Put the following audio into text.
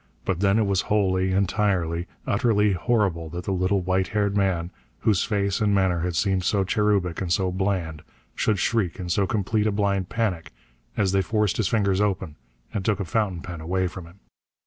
But then it was wholly, entirely, utterly horrible that the little white haired man, whose face and manner had seemed so cherubic and so bland, should shriek in so complete a blind panic as they forced his fingers open and took a fountain pen away from him.